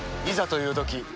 いざというとき